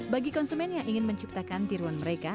bagi konsumen yang ingin menciptakan tiruan mereka